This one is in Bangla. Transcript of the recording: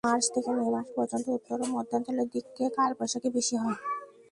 মার্চ থেকে মে মাস পর্যন্ত উত্তর ও মধ্যাঞ্চলের দিকে কালবৈশাখী বেশি হয়।